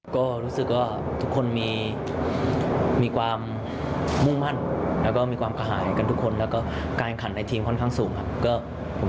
ความขึ้นใจมีความมุ่งมั่นและความกระหายสูงแรงฆการขัดในทีมปกติเคยขึ้นมายังสูง